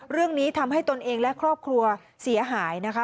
เรื่องนี้ทำให้ตนเองและครอบครัวเสียหายนะคะ